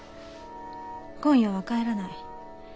今夜は帰らない。